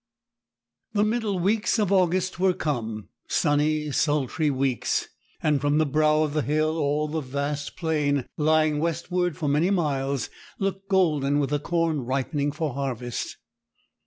The middle weeks of August were come sunny, sultry weeks; and from the brow of the hill, all the vast plain lying westward for many miles looked golden with the corn ripening for harvest.